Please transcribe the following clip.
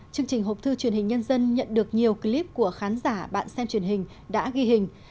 chương trình hộp thư truyền hình nhân dân nhận được nhiều clip của khán giả bạn xem truyền hình đã ghi hình